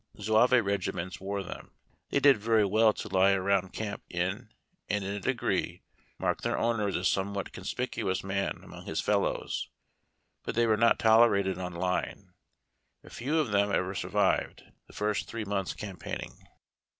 Zouave regiments wore them. They did very well to lie around camp in, and in a degree marked their owner as a somewhat conspicuous man among his fellows, but they were not tolerated on line ; few of them ever survived the first three months' campaigning.